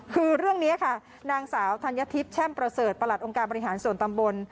คือเรื่องนี้ค่ะนางสาวธัญทิพย์แช่มประเสริฐประหลัดองค์การบริหารส่วนตำบล